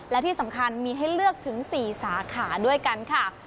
และที่สำคัญมีให้เลือกถึง๔สาขาด้วยกันค่ะ